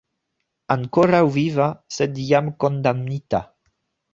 Ankoraŭ viva, sed jam kondamnita.